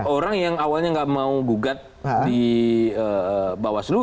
orang yang awalnya nggak mau gugat di mbak waslu